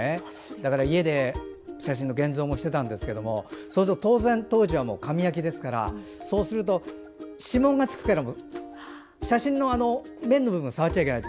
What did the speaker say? だから家で写真の現像もしていたんですけどそうすると、当然当時は紙焼きですから指紋が付くから写真の面を触っちゃいけない。